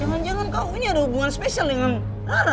jangan jangan kau ini ada hubungan spesial dengan rara